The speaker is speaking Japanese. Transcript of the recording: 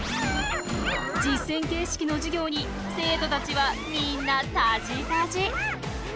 実践形式の授業に生徒たちはみんなたじたじ。